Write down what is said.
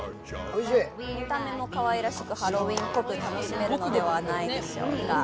見た目もかわいく、ハロウィーンっぽく楽しめるんじゃないでしょうか。